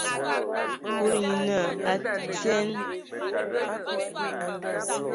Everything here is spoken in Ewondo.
Kulu nye naa: A teen!